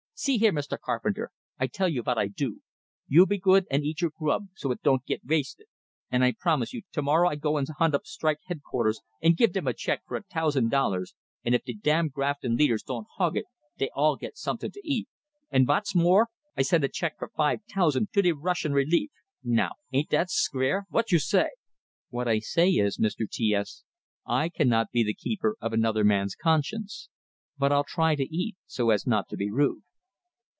See here, Mr. Carpenter, I tell you vot I do. You be good and eat your grub, so it don't git vasted, and I promise you, tomorrow I go and hunt up strike headquarters, and give dem a check fer a tousand dollars, and if de damn graftin' leaders don't hog it, dey all git someting to eat. And vot's more, I send a check fer five tousand to de Russian relief. Now ain't dat square? Vot you say?" "What I say is, Mr. T S, I cannot be the keeper of another man's conscience. But I'll try to eat, so as not to be rude."